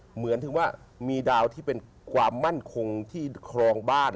เหมือนถึงว่ามีดาวที่เป็นความมั่นคงที่ครองบ้าน